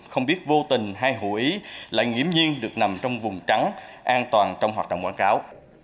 không biết vô tình hay hữu ý lại nghiễm nhiên được nằm trong vùng trắng an toàn trong hoạt động quảng cáo